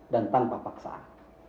dan tanpa paksaan